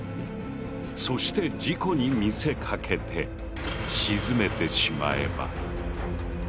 そして事故に見せかけて沈めてしまえば。